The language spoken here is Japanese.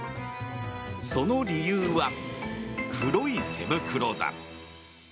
その理由は、黒い手袋だ。